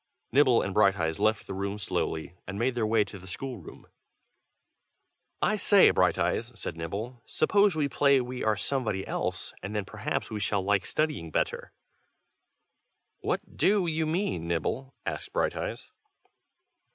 Nibble and Brighteyes left the room slowly, and made their way to the school room. "I say, Brighteyes!" said Nibble, "suppose we play we are somebody else, and then perhaps we shall like studying better." "What do you mean, Nibble?" asked Brighteyes.